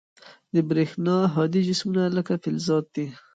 د برېښنا هادي جسمونه لکه فلزات دي.